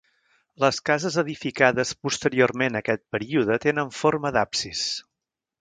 Les cases edificades posteriorment a aquest període tenen forma d'absis.